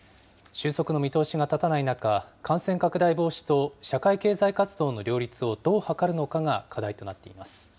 収束の見通しが立たない中、感染拡大防止と社会経済活動の両立をどう図るのかが課題となっています。